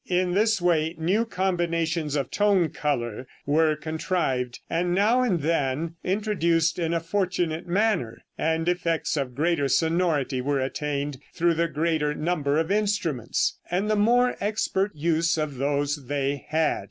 In this way new combinations of tone color were contrived, and now and then introduced in a fortunate manner, and effects of greater sonority were attained through the greater number of instruments, and the more expert use of those they had.